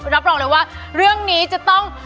รับรองเลยว่าเรื่องนี้จะต้อง